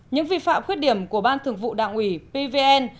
những vi phạm khuyết điểm của ban thường vụ đảng ủy pvn